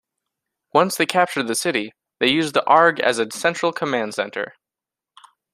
Once they captured the city, they used the Arg as a central command center.